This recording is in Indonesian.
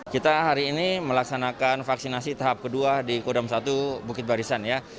kita hari ini melaksanakan vaksinasi tahap kedua di kodam satu bukit barisan ya